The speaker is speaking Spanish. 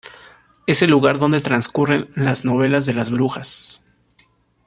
Es el lugar donde transcurren las novelas de las Brujas.